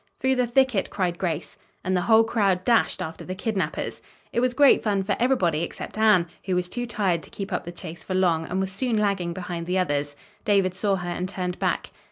"Through the thicket," cried Grace. And the whole crowd dashed after the kidnappers. It was great fun for everybody except Anne, who was too tired to keep up the chase for long, and was soon lagging behind the others. David saw her and turned back.